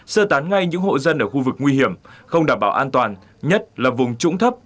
sơ tán ngay những hộ dân ở khu vực nguy hiểm không đảm bảo an toàn nhất là vùng trũng thấp